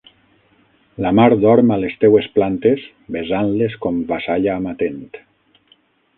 La mar dorm a les teues plantes besant-les com vassalla amatent.